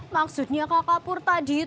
maksudnya kak kapur tadi itu apa